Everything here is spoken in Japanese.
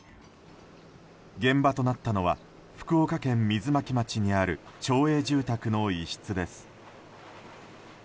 現場となったのは福岡県水巻町にある町営住宅の一室です。